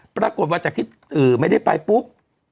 ปรากฏว่าจากที่ไม่ได้ไปปุ๊บ